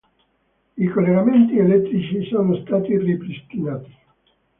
I collegamenti elettrici sono stati ripristinati.